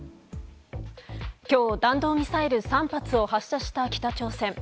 今日、弾道ミサイル３発を発射した北朝鮮。